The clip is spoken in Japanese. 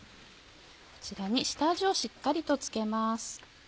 こちらに下味をしっかりと付けます。